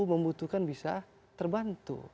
membutuhkan bisa terbantu